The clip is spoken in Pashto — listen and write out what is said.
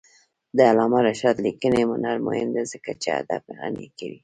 د علامه رشاد لیکنی هنر مهم دی ځکه چې ادب غني کوي.